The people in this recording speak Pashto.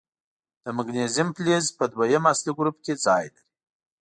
د مګنیزیم فلز په دویم اصلي ګروپ کې ځای لري.